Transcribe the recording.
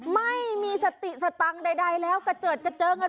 ไม่มีสติสตังค์ใดแล้วกระเจิดมเมิดเลยค่ะ